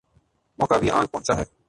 موقع بھی آن پہنچا ہے۔